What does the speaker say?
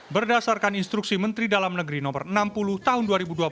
berdasarkan instruksi menteri dalam negeri no enam puluh tahun dua ribu dua puluh